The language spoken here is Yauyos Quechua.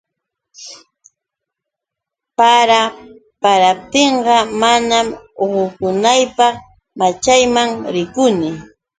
Para paraptinqa, mana uqunaypaqqa, maćhayman rikuni.